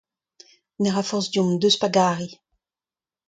Ne ra forzh deomp. Deus pa gari.